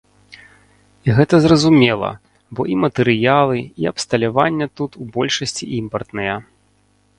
І гэта зразумела, бо і матэрыялы, і абсталяванне тут у большасці імпартныя.